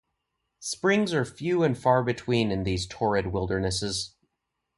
Springs are few and far between in these torrid wildernesses.